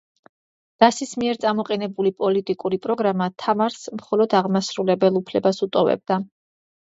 დასის მიერ წამოყენებული პოლიტიკური პროგრამა თამარს მხოლოდ აღმასრულებელ უფლებას უტოვებდა.